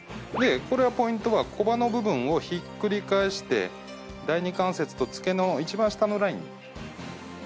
これはポイントは小刃の部分をひっくり返して第２関節と付け根の一番下のラインに。